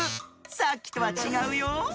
さっきとはちがうよ。